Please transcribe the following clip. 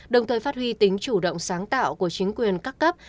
đồng thời phát huy tính chủ động sáng tạo của chính quyền các cấp